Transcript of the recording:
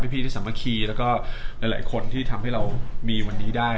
พี่ที่สามัคคีแล้วก็หลายคนที่ทำให้เรามีวันนี้ได้